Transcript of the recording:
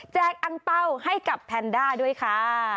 อังเป้าให้กับแพนด้าด้วยค่ะ